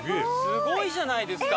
すごいじゃないですか！